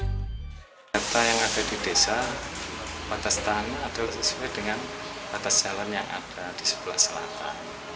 data yang ada di desa batas tanah adalah sesuai dengan batas jalan yang ada di sebelah selatan